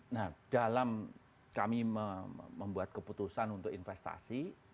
nah dalam kami membuat keputusan untuk investasi